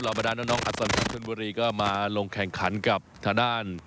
หลับประดานน้องอัศวินธรรมสุนบุรีก็มาลงแข่งขันกับทะดาน